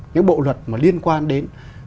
những bộ luật mà liên quan đến